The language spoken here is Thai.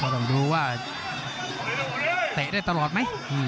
ต้องดูว่าเตะได้ตลอดไหม